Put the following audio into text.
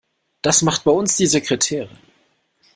Das macht bei uns die Sekretärin.